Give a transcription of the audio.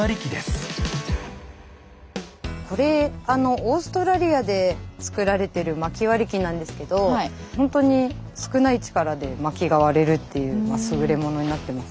これあのオーストラリアで作られてるまき割り機なんですけどほんとに少ない力でまきが割れるっていうすぐれモノになってます。